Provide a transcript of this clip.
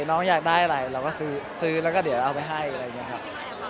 น้องอยากได้อะไรเราก็ซื้อแล้วก็เดี๋ยวเอาไปให้อะไรอย่างนี้ครับ